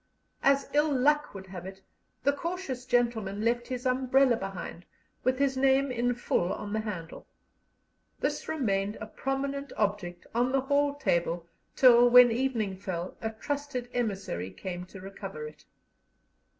As ill luck would have it, the cautious gentleman left his umbrella behind, with his name in full on the handle; this remained a prominent object on the hall table till, when evening fell, a trusted emissary came to recover it.